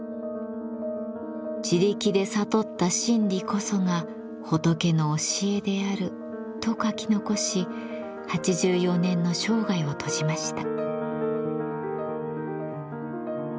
「自力で悟った真理こそが仏の教えである」と書き残し８４年の生涯を閉じました。